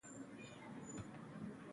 د ستوني د ټپ لپاره د توت شربت وکاروئ